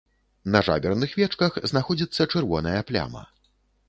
На жаберных вечках знаходзіцца чырвоная пляма.